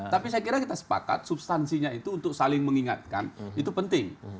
tapi saya kira kita sepakat substansinya itu untuk saling mengingatkan itu penting